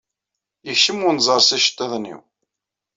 Yekcem wenẓar s iceḍḍiḍen-inu.